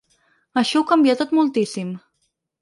Això ho canvia tot moltíssim.